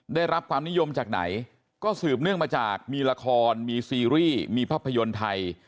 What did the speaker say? ได้รับความนิยมจากไหนก็สืบเนื่องมาจากมีละครมีซีรีส์มีภาพยนตร์ไทย